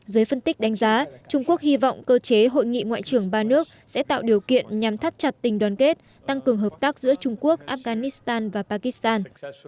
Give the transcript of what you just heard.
giới phân tích đánh giá trung quốc hy vọng cơ chế hội nghị ngoại trưởng ba nước sẽ tạo điều kiện nhằm thắt chặt tình đoàn kết tăng cường hợp tác giữa trung quốc afghanistan và pakistan